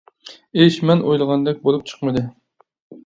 ئىش مەن ئويلىغاندەك بولۇپ چىقمىدى.